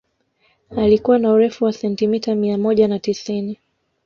Alikuwa na urefu wa sentimita mia moja na tisini